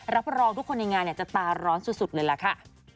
รับรองทุกคนในงานจะตาร้อนสุดเลยล่ะค่ะ